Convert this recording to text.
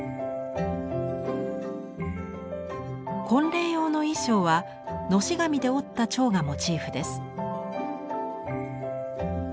婚礼用の衣装は熨斗紙で折った蝶がモチーフです。